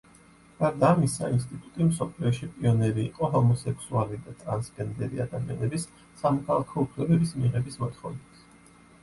გარდა ამისა, ინსტიტუტი მსოფლიოში პიონერი იყო ჰომოსექსუალი და ტრანსგენდერი ადამიანების სამოქალაქო უფლებების მიღების მოთხოვნით.